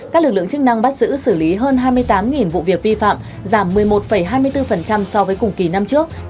các lực lượng chức năng bắt giữ xử lý hơn hai mươi tám vụ việc vi phạm giảm một mươi một hai mươi bốn so với cùng kỳ năm trước